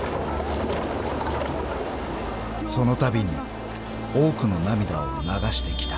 ［そのたびに多くの涙を流してきた］